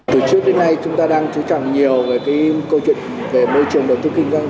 từ trước đến nay chúng ta đang chú trọng nhiều về môi trường đầu tư kinh doanh